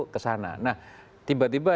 ke sana nah tiba tiba